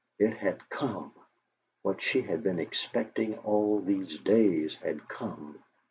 It had come! What she had been expecting all these days had come!